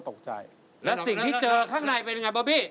สวัสดีครับ